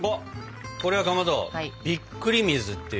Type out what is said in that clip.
これはかまどびっくり水っていうやつですよね。